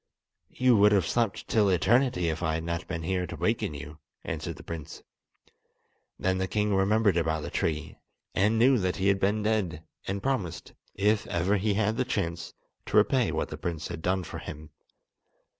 "You would have slept till eternity if I had not been here to waken you"; answered the prince. Then the king remembered about the tree, and knew that he had been dead, and promised, if ever he had the chance, to repay what the prince had done for him.